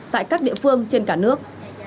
tại các địa phương trên cả nước